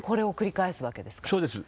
そうです。